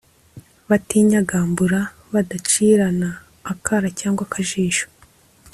Batinyagambura badacirana akara cyangwa akajisho